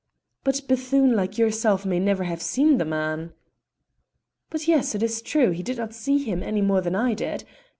"But Bethune, like yourself, may never have seen the man." "But yes, it is true, he did not see him any more than I did.